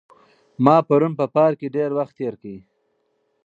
ما پرون په پارک کې ډېر وخت تېر کړ.